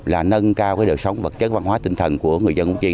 là nâng cao cái đội sống vật chất văn hóa tinh thần của người dân cụ chi